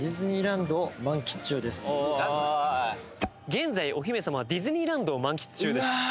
現在お姫様はディズニーランドを満喫中ですうわ